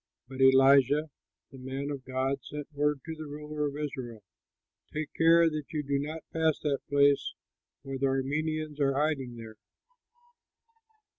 But Elisha, the man of God, sent word to the ruler of Israel, "Take care that you do not pass that place, for the Arameans are hiding there."